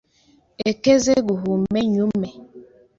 ekeze guhume nyume